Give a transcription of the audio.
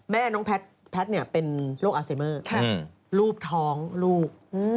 แม่น้องแพทย์เป็นโรคอาเซเมอร์รูปท้องลูก